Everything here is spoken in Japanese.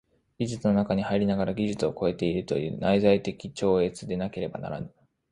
技術の中に入りながら技術を超えているという内在的超越でなければならぬ。